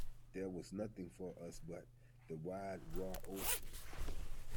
There was nothing for us but the wide raw ocean.